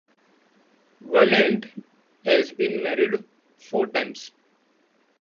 Vaillant has been married four times.